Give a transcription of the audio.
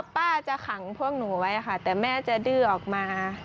ป้าจะขังพวกหนูไว้ค่ะแต่แม่จะดื้อออกมา